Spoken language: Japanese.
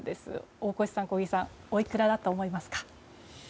大越さん、小木さんおいくらだと思いますか？